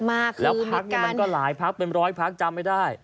มากแล้วพักเนี่ยมันก็หลายพักเป็นร้อยพักจำไม่ได้